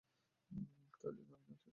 তারা দুজনেই অভিনয়শিল্পী ও নাট্য শিক্ষক।